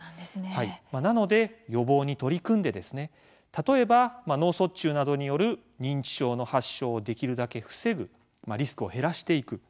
例えば脳卒中などによる認知症の発症をできるだけ防ぐリスクを減らしていく。